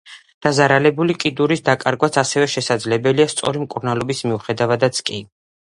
დაზარალებული კიდურის დაკარგვაც ასევე შესაძლებელია სწორი მკურნალობის მიუხედავადაც კი.